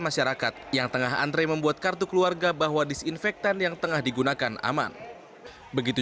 masyarakat yang tengah antre membuat kartu keluarga bahwa disinfektan yang tengah digunakan aman begitu